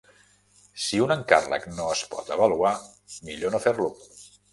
Si un encàrrec no es pot avaluar, millor no fer-lo.